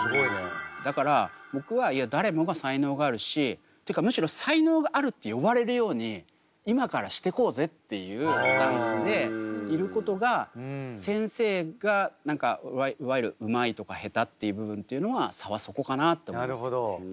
だから僕はいや誰もが才能があるしってかむしろ才能があるって言われるように今からしてこうぜっていうスタンスでいることが先生が何かいわゆるうまいとかへたっていう部分というのは差はそこかなって思いますけどね。